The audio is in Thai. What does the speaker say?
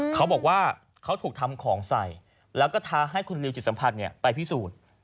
เขาบอกว่าเขาถูกทำของใส่แล้วก็ท้าให้คุณนิวจิตสัมผัสไปพิสูจน์